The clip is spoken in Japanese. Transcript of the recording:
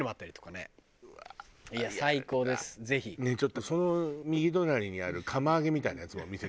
ねえちょっとその右隣にある釜揚げみたいなやつも見せて。